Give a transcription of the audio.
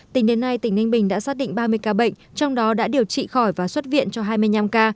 tính đến nay tỉnh ninh bình đã xác định ba mươi ca bệnh trong đó đã điều trị khỏi và xuất viện cho hai mươi năm ca